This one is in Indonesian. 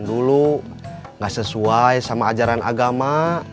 dulu nggak sesuai sama ajaran agama